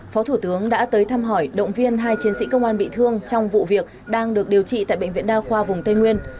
phó thủ tướng đã tới thăm hỏi động viên hai chiến sĩ công an bị thương trong vụ việc đang được điều trị tại bệnh viện đa khoa vùng tây nguyên